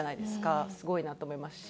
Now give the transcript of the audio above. すごいなと思いますし。